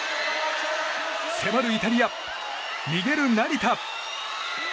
迫るイタリア、逃げる成田。